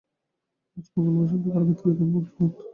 আজ মঙ্গলবার সন্ধ্যায় কারাগার থেকে তিনি মুক্তি পান।